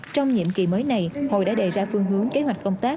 trong nhiệm kỳ mới này hội đã đề ra phương hướng kế hoạch công tác